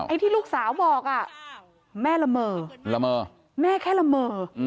ไอ้ที่ลูกสาวบอกอะแม่ละเม่